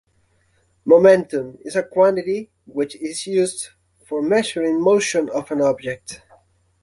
Momentum is a quantity which is used for measuring motion of an object.